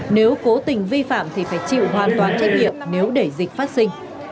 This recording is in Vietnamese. nếu cố tình vi phạm thì phải chịu hoàn toàn trách nhiệm nếu để dịch phát sinh